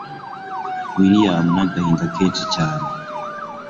william nagahinda kenshi cyane